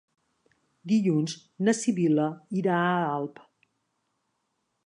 Dilluns na Sibil·la irà a Alp.